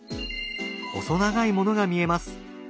細長いものが見えます。